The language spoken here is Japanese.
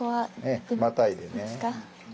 ええまたいでね。